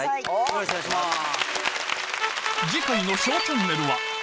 よろしくお願いします。